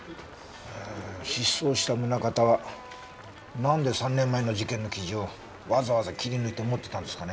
失踪した宗形はなんで３年前の事件の記事をわざわざ切り抜いて持ってたんですかね？